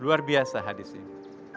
luar biasa hadis ini